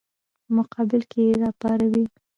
په مقابل کې یې راپاروي.